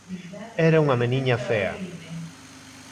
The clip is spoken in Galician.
Era unha meniña fea.